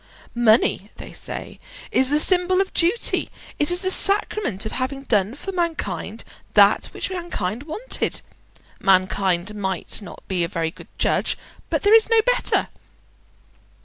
"Money," they say, "is the symbol of duty, it is the sacrament of having done for mankind that which mankind wanted. Mankind may not be a very good judge, but there is no better."